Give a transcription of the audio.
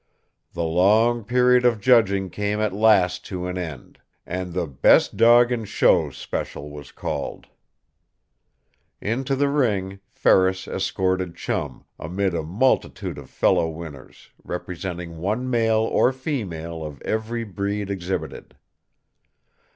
The long period of judging came at last to an end. And the "Best Dog in Show" special was called. Into the ring Ferris escorted Chum, amid a multitude of fellow winners, representing one male or female of every breed exhibited.